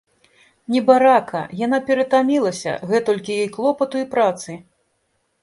Небарака, яна ператамілася, гэтулькі ёй клопату і працы!